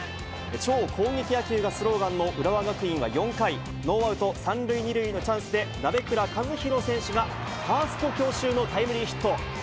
超攻撃野球がスローガンの浦和学院は４回、ノーアウト３塁２塁のチャンスで、鍋倉和弘選手がファースト強襲のタイムリーヒット。